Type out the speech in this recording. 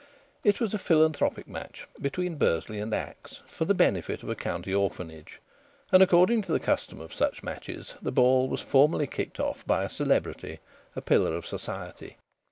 It was a philanthropic match, between Bursley and Axe, for the benefit of a county orphanage, and, according to the custom of such matches, the ball was formally kicked off by a celebrity, a pillar of society.